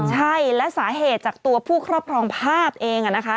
ใช่และสาเหตุจากตัวผู้ครอบครองภาพเองนะคะ